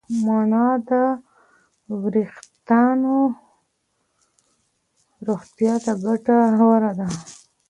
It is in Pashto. مڼه د وریښتانو روغتیا ته ګټوره ده.